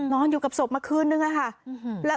นอนอยู่กับศพมาคืนนึงอะค่ะ